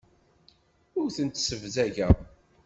Ur tent-ssebzageɣ.